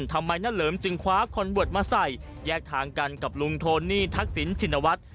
ทำไมน้าเหลิมจึงคว้าคนบวชมาใส่แยกทางกันกับลุงโทนี่ทักษิณชินวัฒน์